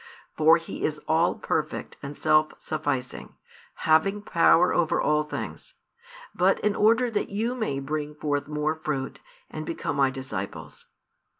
For He is all perfect and self sufficing, having power over all things, but in order that you may bring forth more fruit and become My disciples.